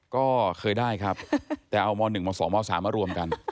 ก็เคยได้ครับแต่เอาม๑ม๒ม๓มารวมกัน